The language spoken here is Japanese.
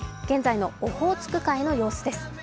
現在のオホーツク海の様子です。